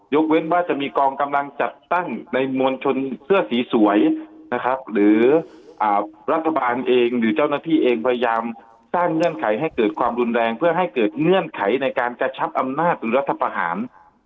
เว้นว่าจะมีกองกำลังจัดตั้งในมวลชนเสื้อสีสวยนะครับหรือรัฐบาลเองหรือเจ้าหน้าที่เองพยายามสร้างเงื่อนไขให้เกิดความรุนแรงเพื่อให้เกิดเงื่อนไขในการกระชับอำนาจหรือรัฐประหาร